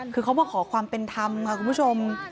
คือเขามาขอความเป็นธรรมค่ะคุณผู้ชม